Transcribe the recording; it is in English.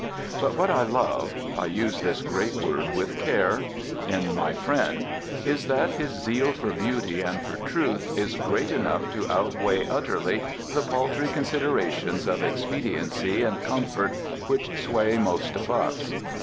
But what I love (I use this great word with care) in my friend is that his zeal for beauty and for truth is great enough to outweigh utterly the paltry considerations of expediency and comfort which sway most of us.